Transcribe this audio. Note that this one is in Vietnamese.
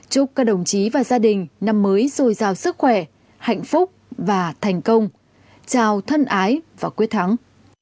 chúc các đồng chí và gia đình năm mới dồi dào sức khỏe hạnh phúc và thành công chào thân ái và quyết thắng